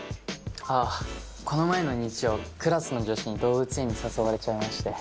あぁこの前の日曜クラスの女子に動物園に誘われちゃいまして。